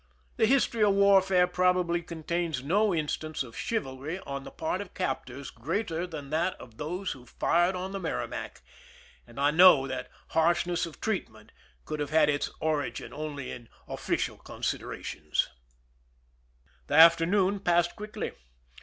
The history of war fare probably contains no instance of chivalry on the part of captors greater than that of those who fired on the MerrimaCiBJid I knew that harshness of treat ment could have had its origin only in official considerations. 172 IMPEISONMENT IN MOREO CASTLE The afternoon passed quickly.